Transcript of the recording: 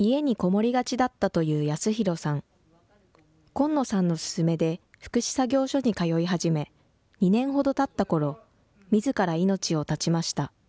金野さんのすすめで福祉作業所に通い始め２年ほどたった頃自ら命を絶ちました。